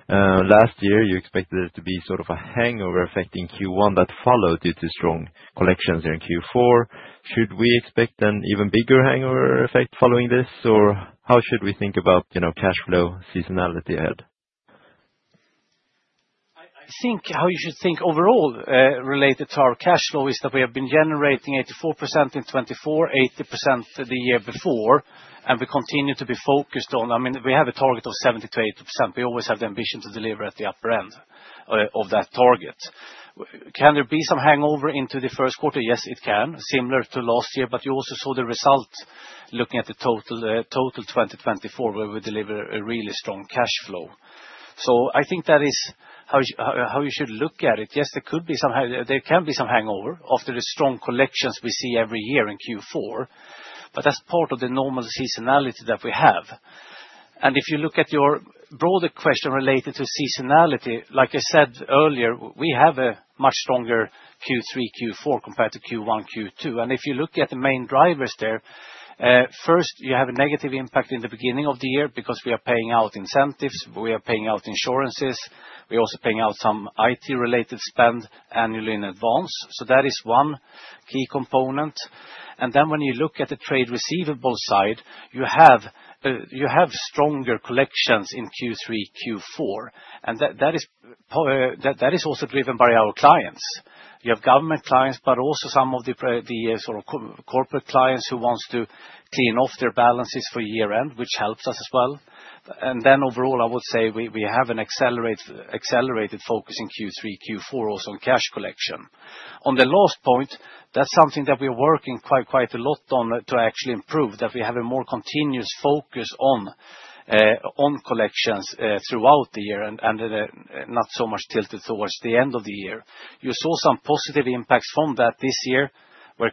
Last year, you expected it to be sort of a hangover affecting Q1 that followed due to strong collections here in Q4. Should we expect an even bigger hangover effect following this, or how should we think about cash flow seasonality ahead? I think how you should think overall related to our cash flow is that we have been generating 84% in 2024, 80% the year before, and we continue to be focused on, I mean, we have a target of 70%-80%. We always have the ambition to deliver at the upper end of that target. Can there be some hangover into the first quarter? Yes, it can, similar to last year, but you also saw the result looking at the total 2024 where we deliver a really strong cash flow. So I think that is how you should look at it. Yes, there could be some hangover, there can be some hangover after the strong collections we see every year in Q4, but that's part of the normal seasonality that we have. And if you look at your broader question related to seasonality, like I said earlier, we have a much stronger Q3, Q4 compared to Q1, Q2. And if you look at the main drivers there, first, you have a negative impact in the beginning of the year because we are paying out incentives, we are paying out insurances, we are also paying out some IT-related spend annually in advance. So that is one key component. And then, when you look at the trade receivable side, you have stronger collections in Q3, Q4, and that is also driven by our clients. You have government clients, but also some of the sort of corporate clients who want to clean off their balances for year-end, which helps us as well. And then overall, I would say we have an accelerated focus in Q3, Q4 also on cash collection. On the last point, that's something that we are working quite a lot on to actually improve. That we have a more continuous focus on collections throughout the year and not so much tilted towards the end of the year. You saw some positive impacts from that this year where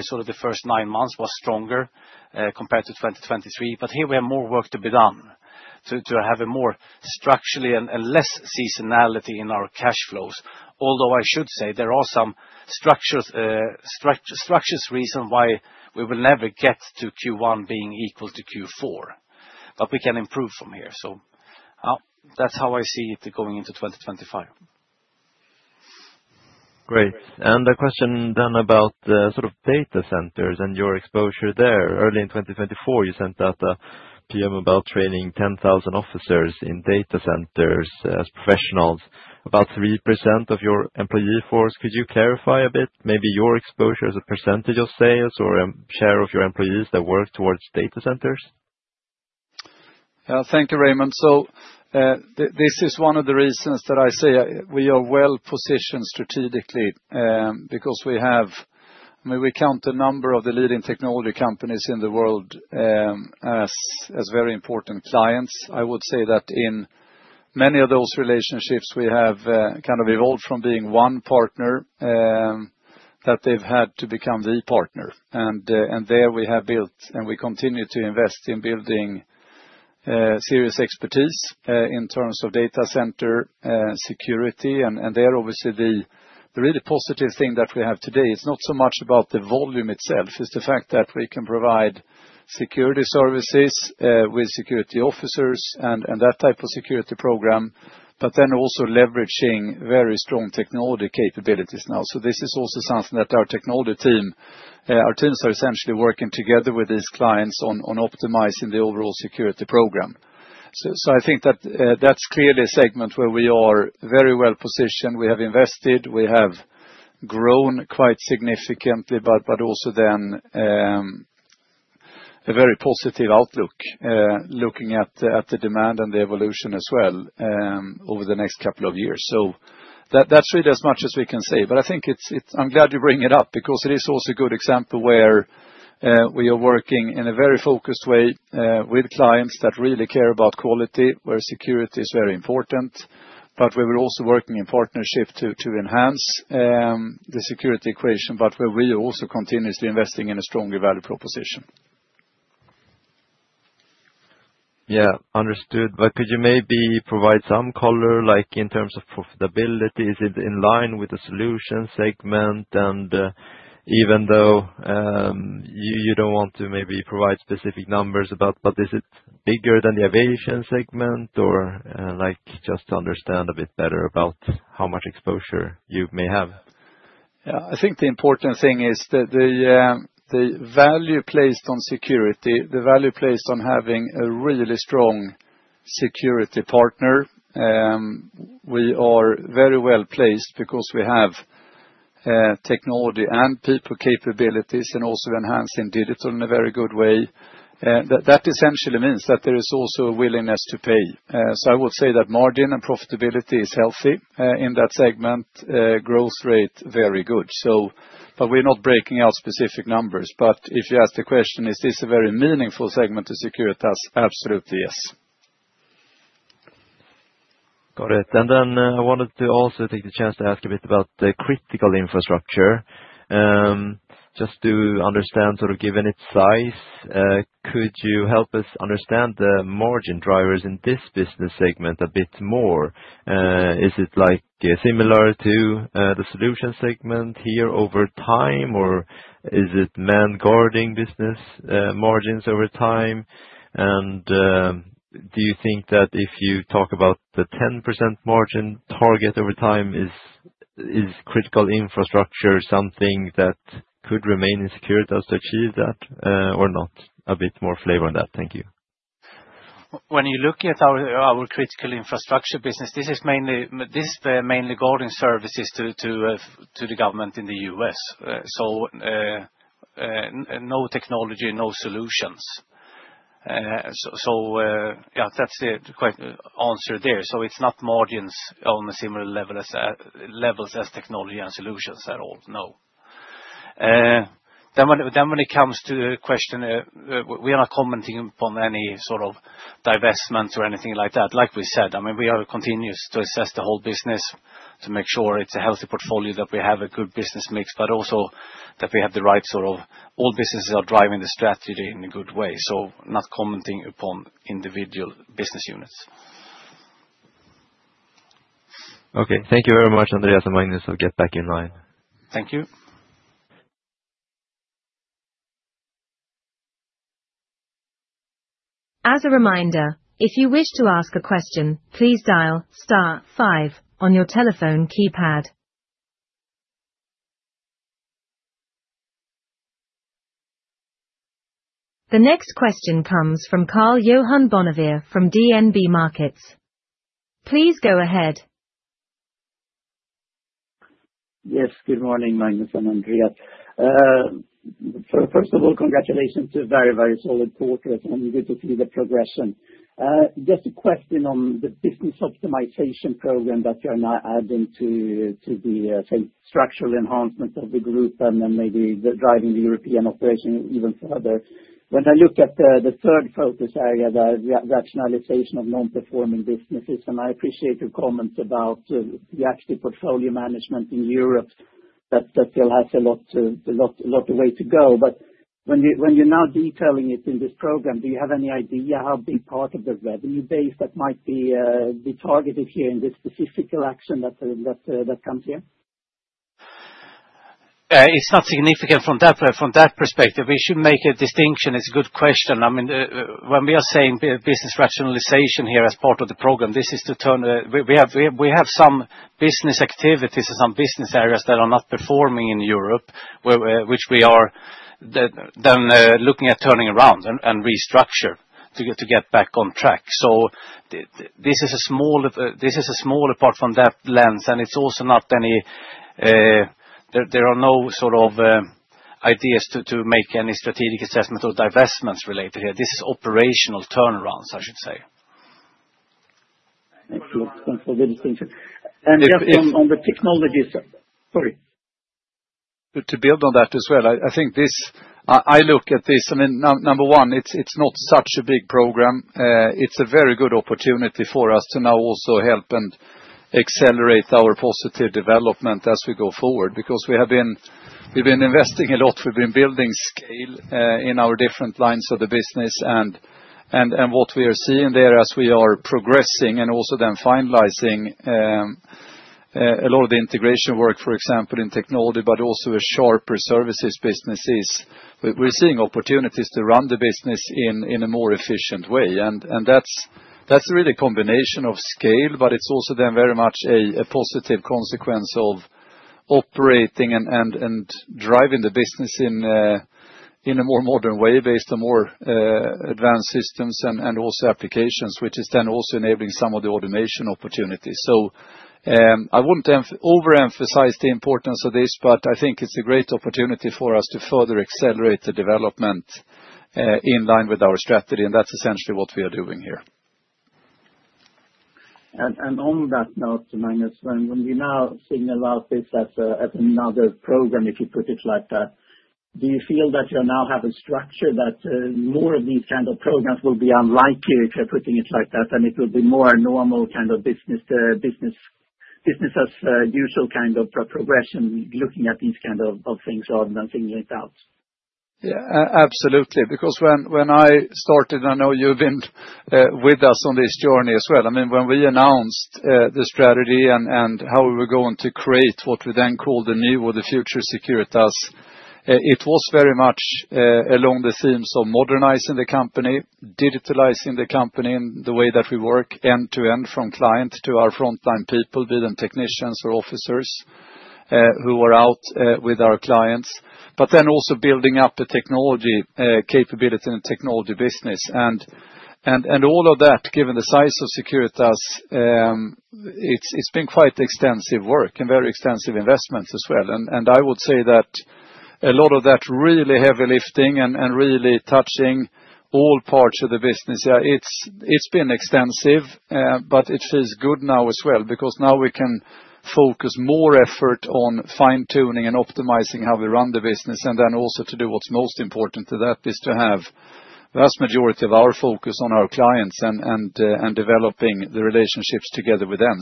sort of the first nine months was stronger compared to 2023, but here we have more work to be done to have a more structurally and less seasonality in our cash flows. Although I should say there are some structural reasons why we will never get to Q1 being equal to Q4, but we can improve from here. So that's how I see it going into 2025. Great. And a question then about sort of data centers and your exposure there. Early in 2024, you sent out a PM about training 10,000 officers in data centers as professionals. About 3% of your employee force. Could you clarify a bit? Maybe your exposure as a percentage of sales or a share of your employees that work towards data centers? Yeah, thank you, Raymond. So this is one of the reasons that I say we are well positioned strategically because we count the number of the leading technology companies in the world as very important clients. I would say that in many of those relationships, we have kind of evolved from being one partner that they've had to become the partner. And there we have built and we continue to invest in building serious expertise in terms of data center security. And there obviously the really positive thing that we have today is not so much about the volume itself, it's the fact that we can provide security services with security officers and that type of security program, but then also leveraging very strong technology capabilities now. So this is also something that our technology team, our teams are essentially working together with these clients on optimizing the overall security program. So I think that that's clearly a segment where we are very well positioned. We have invested, we have grown quite significantly, but also then a very positive outlook looking at the demand and the evolution as well over the next couple of years. So that's really as much as we can say. But I think I'm glad you bring it up because it is also a good example where we are working in a very focused way with clients that really care about quality where security is very important, but we were also working in partnership to enhance the security equation, but where we are also continuously investing in a stronger value proposition. Yeah, understood. But could you maybe provide some color in terms of profitability? Is it in line with the Solutions segment? And even though you don't want to maybe provide specific numbers about, but is it bigger than the aviation segment or just to understand a bit better about how much exposure you may have? Yeah, I think the important thing is the value placed on security, the value placed on having a really strong security partner. We are very well placed because we have technology and people capabilities and also enhancing digital in a very good way. That essentially means that there is also a willingness to pay. So I would say that margin and profitability is healthy in that segment, growth rate very good. But we're not breaking out specific numbers. But if you ask the question, is this a very meaningful segment to secure, that's absolutely yes. Got it. And then I wanted to also take the chance to ask a bit about the Critical Infrastructure. Just to understand sort of given its size, could you help us understand the margin drivers in this business segment a bit more? Is it similar to the solutions segment here over time, or is it manned-guarding business margins over time? And do you think that if you talk about the 10% margin target over time, is Critical Infrastructure something that could remain in the core thus to achieve that or not? A bit more flavor on that. Thank you. When you look at our Critical Infrastructure business, this is mainly guarding services to the government in the U.S. So no technology, no solutions. So yeah, that's the answer there. So it's not margins on a similar level as technology and solutions at all. No. Then when it comes to the question, we are not commenting upon any sort of divestments or anything like that. Like we said, I mean, we continue to assess the whole business to make sure it's a healthy portfolio that we have a good business mix, but also that we have the right sort of all businesses are driving the strategy in a good way. So not commenting upon individual business units. Okay. Thank you very much, Andreas and Magnus. I'll get back in line. Thank you. As a reminder, if you wish to ask a question, please dial star five on your telephone keypad. The next question comes from Karl-Johan Bonnevier from DNB Markets. Please go ahead. Yes, good morning, Magnus and Andreas. First of all, congratulations to a very, very solid report and good to see the progression. Just a question on the business optimization program that you're now adding to the structural enhancement of the group and then maybe driving the European operation even further. When I look at the third focus area, the rationalization of non-performing businesses, and I appreciate your comments about the active portfolio management in Europe that still has a lot of way to go. But when you're now detailing it in this program, do you have any idea how big part of the revenue base that might be targeted here in this specific iteration that comes here? It's not significant from that perspective. We should make a distinction. It's a good question. I mean, when we are saying business rationalization here as part of the program, this is turnaround. We have some business activities and some business areas that are not performing in Europe, which we are then looking at turning around and restructure to get back on track. This is a small part from that lens, and it's also not. There are no sort of ideas to make any strategic assessment or divestments related here. This is operational turnarounds, I should say. Thank you. Thanks for the distinction. On the technology side, sorry. To build on that as well, I think this. I look at this. I mean, number one, it's not such a big program. It's a very good opportunity for us to now also help and accelerate our positive development as we go forward because we have been investing a lot. We've been building scale in our different lines of the business. What we are seeing there as we are progressing and also then finalizing a lot of the integration work, for example, in technology, but also security services businesses, we're seeing opportunities to run the business in a more efficient way. And that's really a combination of scale, but it's also then very much a positive consequence of operating and driving the business in a more modern way based on more advanced systems and also applications, which is then also enabling some of the automation opportunities. So I wouldn't overemphasize the importance of this, but I think it's a great opportunity for us to further accelerate the development in line with our strategy, and that's essentially what we are doing here. And on that note, Magnus, when we now think about this as another program, if you put it like that, do you feel that you now have a structure that more of these kinds of programs will be unlikely if you're putting it like that, and it will be more normal kind of business as usual kind of progression looking at these kinds of things rather than things like that? Yeah, absolutely. Because when I started, and I know you've been with us on this journey as well, I mean, when we announced the strategy and how we were going to create what we then called the new or the future security, it was very much along the themes of modernizing the company, digitalizing the company in the way that we work end-to-end from client to our frontline people, be them technicians or officers who are out with our clients, but then also building up a technology capability and technology business, and all of that, given the size of security, it's been quite extensive work and very extensive investments as well. I would say that a lot of that really heavy lifting and really touching all parts of the business, yeah, it's been extensive, but it feels good now as well because now we can focus more effort on fine-tuning and optimizing how we run the business. Then also to do what's most important to that is to have the vast majority of our focus on our clients and developing the relationships together with them.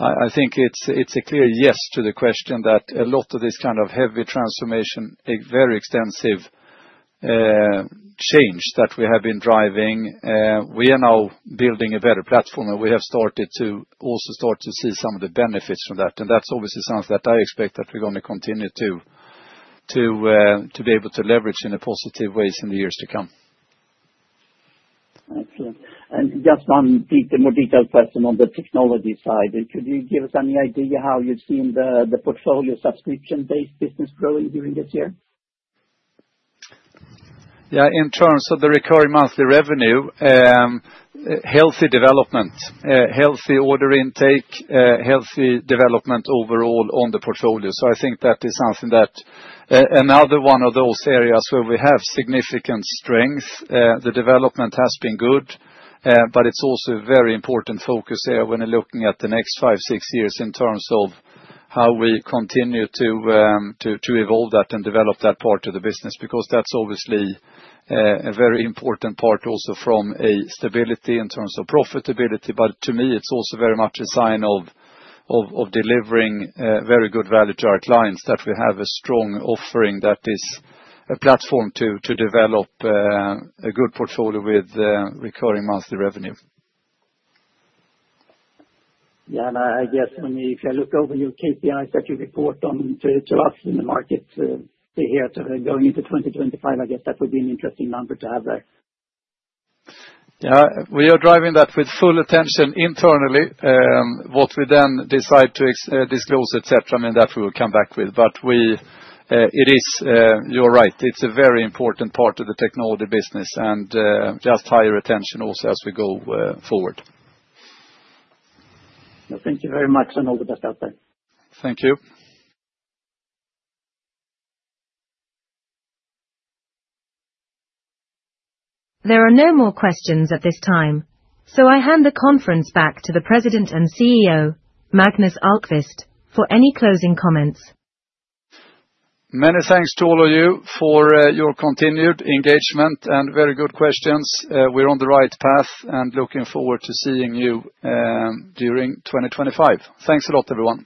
I think it's a clear yes to the question that a lot of this kind of heavy transformation, a very extensive change that we have been driving, we are now building a better platform, and we have started to also see some of the benefits from that. And that's obviously something that I expect that we're going to continue to be able to leverage in a positive way in the years to come. Excellent. And just one more detailed question on the technology side. Could you give us any idea how you've seen the portfolio subscription-based business growing during this year? Yeah, in terms of the recurring monthly revenue, healthy development, healthy order intake, healthy development overall on the portfolio. So I think that is something that another one of those areas where we have significant strength, the development has been good, but it's also a very important focus area when looking at the next five, six years in terms of how we continue to evolve that and develop that part of the business because that's obviously a very important part also from a stability in terms of profitability. But to me, it's also very much a sign of delivering very good value to our clients that we have a strong offering that is a platform to develop a good portfolio with recurring monthly revenue. Yeah, and I guess when you look over your KPIs that you report on to us in the market here going into 2025, I guess that would be an interesting number to have there. Yeah, we are driving that with full attention internally. What we then decide to disclose, etc., I mean, that we will come back with. But it is, you're right, it's a very important part of the technology business and just higher attention also as we go forward. Thank you very much and all the best out there. Thank you. There are no more questions at this time, so I hand the conference back to the President and CEO, Magnus Ahlqvist, for any closing comments. Many thanks to all of you for your continued engagement and very good questions. We're on the right path and looking forward to seeing you during 2025. Thanks a lot, everyone.